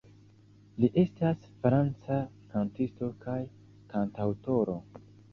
Li estas franca kantisto kaj kantaŭtoro.